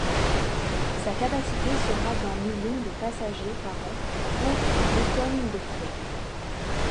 Sa capacité sera d'un million de passagers par an pour de tonnes de fret.